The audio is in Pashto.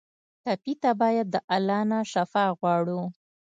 ټپي ته باید د الله نه شفا وغواړو.